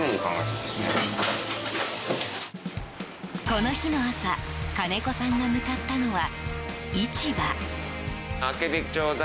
この日の朝金子さんが向かったのは市場。